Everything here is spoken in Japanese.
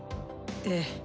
ええ。